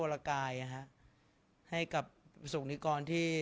สงฆาตเจริญสงฆาตเจริญ